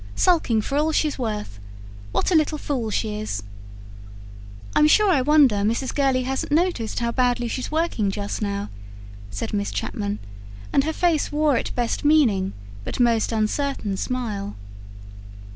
"Sulking for all she's worth. What a little fool she is!" "I'm sure I wonder Mrs. Gurley hasn't noticed how badly she's working just now," said Miss Chapman; and her face wore it best meaning, but most uncertain smile.